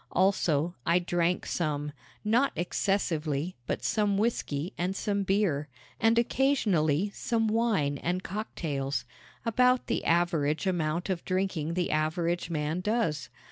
Also, I drank some not excessively, but some whisky and some beer, and occasionally some wine and cocktails about the average amount of drinking the average man does.